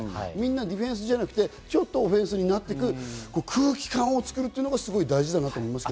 ディフェンスじゃなくオフェンスになっていく、空気感を作るのがすごく大事だなと思います